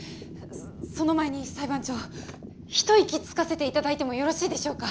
その前に裁判長一息つかせていただいてもよろしいでしょうか？